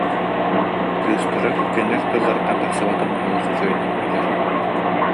Кыыстара кинилэр тылларыттан тахсыбатын олус үчүгэйдик билэр